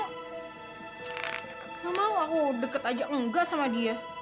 tidak mau aku deket aja enggak sama dia